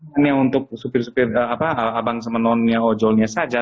hanya untuk abang semenonnya ojolnya saja